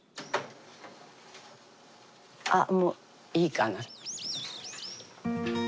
あもういいかな。